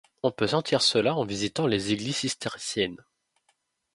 On peut sentir cela en visitant les églises cisterciennes.